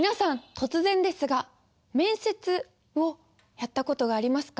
突然ですが面接をやった事がありますか？